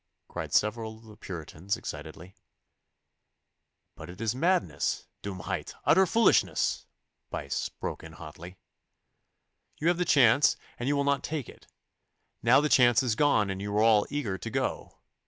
cried several of the Puritans excitedly. 'But it is madness dummheit utter foolishness,' Buyse broke in hotly. 'You have the chance and you will not take it. Now the chance is gone and you are all eager to go.